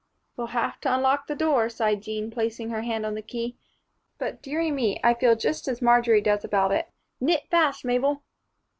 "We'll have to unlock the door," sighed Jean, placing her hand on the key, "but dearie me, I feel just as Marjory does about it. Knit fast, Mabel."